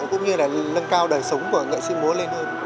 cũng như là nâng cao đời sống của nghệ sĩ múa lên hơn